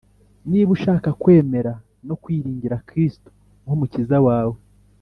Niba ushaka kwemera no kwiringira Kristo nk'Umukiza wawe,